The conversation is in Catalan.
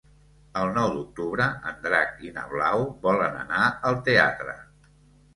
El nou d'octubre en Drac i na Blau volen anar al teatre.